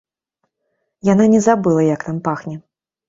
Яна не забыла, як там пахне.